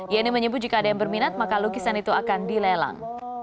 yeni menyebut jika ada yang berminat maka lukisan itu akan dilelang